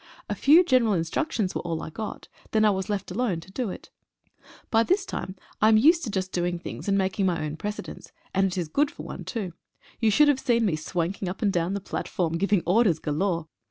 A few general instruc tions were all I got, then I was left alone to do it. By this I am used to just doing things and making my own precedents, and it is good for one too. You should have seen me swanking up and down the platform, giving orders galore!